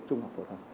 trung học phổ thông